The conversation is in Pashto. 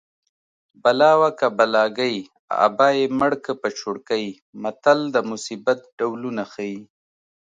بلا وه که بلاګۍ ابا یې مړکه په چوړکۍ متل د مصیبت ډولونه ښيي